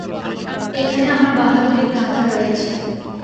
এখানে আমার বাহাদুরির গাঁথা রয়েছে।